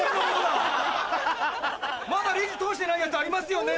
「まだレジ通してないやつありますよね？」